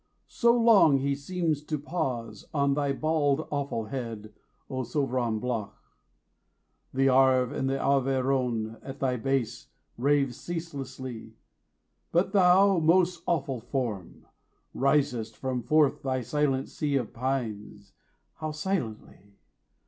So long he seems to pause On thy bald awful head, O sovran BLANC, The Arve and Arveiron at thy base Rave ceaselessly; but thou, most awful Form! 5 Risest from forth thy silent sea of pines, How silently!